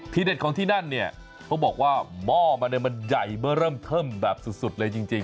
เด็ดของที่นั่นเนี่ยเขาบอกว่าหม้อมันเนี่ยมันใหญ่เมื่อเริ่มเทิมแบบสุดเลยจริง